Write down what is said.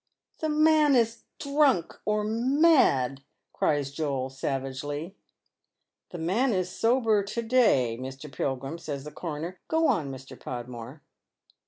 " The man is drunk or mad !" cries Joel, savagely. " The man is sober to day, Mr. Pilgrim," says the coroner. " Go on, Mr. Podmore."